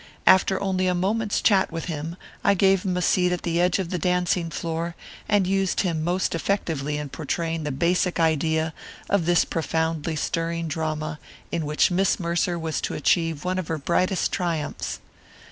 After only a moment's chat with him I gave him a seat at the edge of the dancing floor and used him most effectively in portraying the basic idea of this profoundly stirring drama in which Miss Mercer was to achieve one of her brightest triumphs.